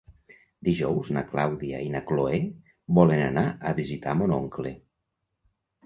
Dijous na Clàudia i na Cloè volen anar a visitar mon oncle.